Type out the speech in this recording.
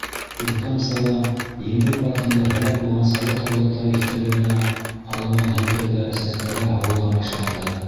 Күркәм сара Еңеү паркында һәләк булған совет һалдаттары иҫтәлегенә һалынған һәйкәлгә сәскәләр һалыуҙан башланды.